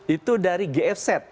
itu dari gfz